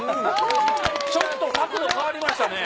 ちょっと角度変わりましたね。